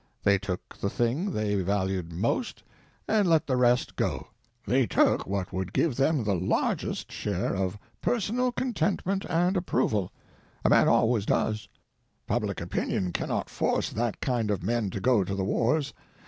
They took the thing they valued most and let the rest go. They took what would give them the largest share of personal contentment and approval—a man always does. Public opinion cannot force that kind of men to go to the wars.